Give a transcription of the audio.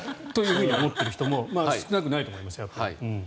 ふうに思ってる人も少なくないと思います。